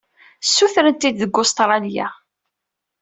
Ssurrten-t-id deg Ustṛalya.